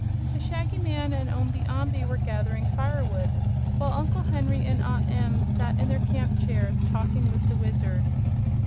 The Shaggy Man and Omby Amby were gathering firewood while Uncle Henry and Aunt Em sat in their camp chairs talking with the Wizard.